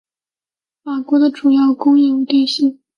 法国的主要工业为电信。